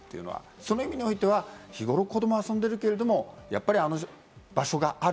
その意味においては日頃子供が遊んでいるけれども、やっぱりあの場所がある。